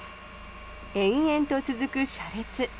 延々と続く車列。